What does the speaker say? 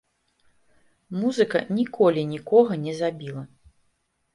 Музыка ніколі нікога не забіла.